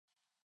足利大学